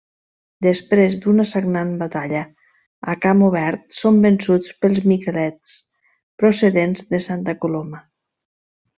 Després d'una sagnant batalla a camp obert són vençuts pels miquelets procedents de Santa Coloma.